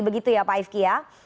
begitu ya pak ifki ya